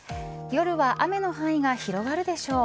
夜は雨の範囲が広がるでしょう。